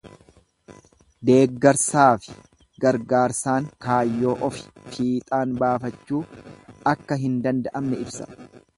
Deeggarsaafi gargaarsaan kaayyoo ofi fiixaan baafachuu akka hin danda'amne ibsa.